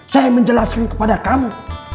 saya menjelaskan kepada kamu